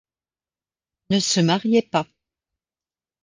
Ne se mariait pas.